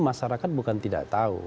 masyarakat bukan tidak tahu